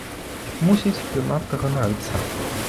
Мусіць, ён надта ганарыцца.